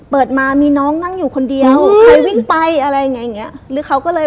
เปิดมามีน้องนั่งอยู่คนเดียวใครวิ่งไปอะไรอย่างเงี้ยหรือเขาก็เลย